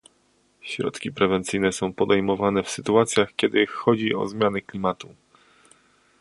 Środki prewencyjne są podejmowane w sytuacjach, kiedy chodzi o zmiany klimatu